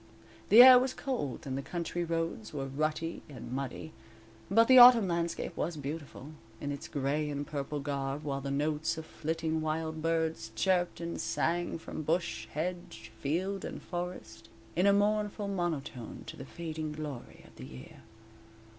The air was cold and the country roads were rutty and muddy, but the autumn landscape was beautiful, in its gray and purple garb, while the notes of flitting wild birds chirped and sang from bush, hedge, field and forest, in a mournful monotone to the fading glory of the year.